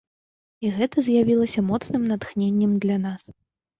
І гэта з'явілася моцным натхненнем для нас!